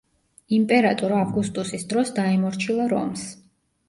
იმპერატორ ავგუსტუსის დროს დაემორჩილა რომს.